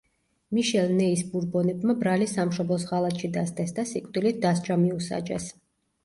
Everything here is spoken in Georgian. მიშელ ნეის ბურბონებმა ბრალი სამშობლოს ღალატში დასდეს და სიკვდილით დასჯა მიუსაჯეს.